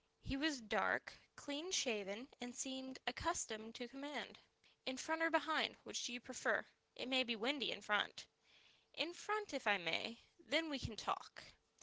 He was dark, clean shaven and seemed accustomed to command. "In front or behind? Which do you prefer? It may be windy in front." "In front if I may; then we can talk."